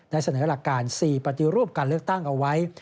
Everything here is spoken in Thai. เสนอหลักการ๔ปฏิรูปการเลือกตั้งเอาไว้